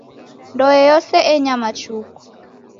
Ndoe yose enyama chuku.